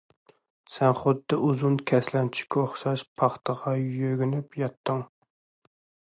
سەن خۇددى ئۇزۇن كەسلەنچۈككە ئوخشاش پاختىغا يۆگىنىپ ياتاتتىڭ.